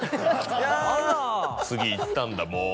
次行ったんだもう。